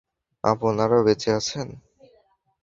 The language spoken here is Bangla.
আপনারা বেঁচে আছেন।